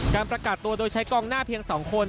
การประกาศตัวโดยใช้กองหน้าเพียง๒คน